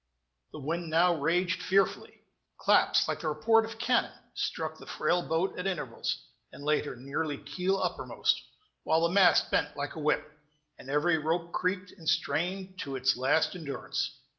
The wind now raged fearfully; claps, like the report of cannon, struck the frail boat at intervals, and laid her nearly keel uppermost; while the mast bent like a whip, and every rope creaked and strained to its last endurance.